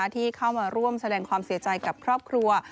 ที่เข้ามาร่วมแสดงความเสียใจกับครอบครัว